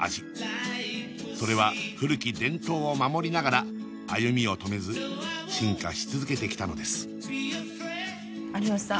それは古き伝統を守りながら歩みを止めず進化し続けてきたのです有吉さん